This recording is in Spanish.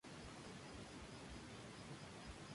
Abu al-As entonces se convirtió al Islam y regresó a Medina.